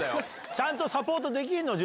ちゃんとサポートできるの？